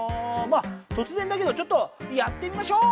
まあとつぜんだけどちょっとやってみましょう！